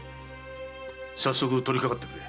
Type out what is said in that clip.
早速取りかかってくれ。